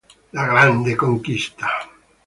La grande conquista